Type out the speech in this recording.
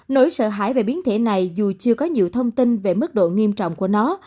nỗi sợ hãi về biến thể này dù chưa có nhiều thông tin về mức độ nghiêm trọng của nó